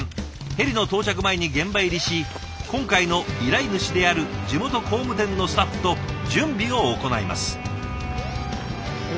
ヘリの到着前に現場入りし今回の依頼主である地元工務店のスタッフと準備を行います。